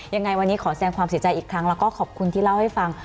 ยังไงวันนี้ขอแสดงความเสียใจอีกครั้งแล้วก็ขอบคุณที่เล่าให้ฟัง